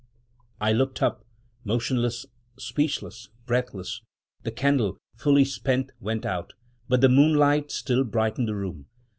I looked up, motionless, speechless, breathless. The candle, fully spent, went out; but the moonlight still brightened the room.